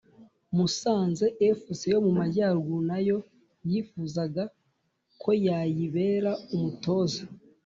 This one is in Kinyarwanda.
musanze fc yo mu majyaruguru, na yo yifuzaga ko yayibera umutoza